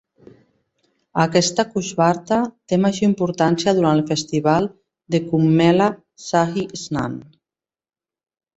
Aquesta Kushvarta té major importància durant el festival de Kumbhmela shahi snan.